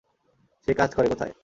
সে কাজ করে কোথায়?